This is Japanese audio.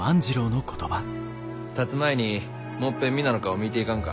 たつ前にもっぺん皆の顔見て行かんか？